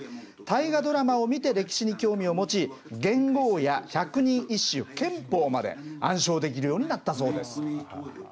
大河ドラマを見て歴史に興味を持ち元号や百人一首憲法まで暗唱できるようになったそうです。